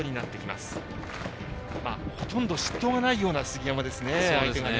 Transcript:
相手がほとんど失投がないような杉山です。